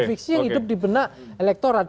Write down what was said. fiksi yang hidup di benak elektorat